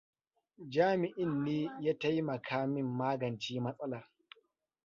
Jami'in ne ya taimaka min magance matsalar.